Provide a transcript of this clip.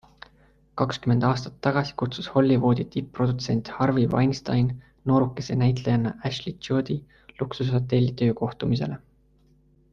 Kakskümmend aastat tagasi kutsus Hollywoodi tipp-produtsent Harvey Weinstein noorukese näitlejanna Ashley Juddi luksushotelli töökohtumisele.